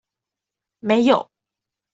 沒有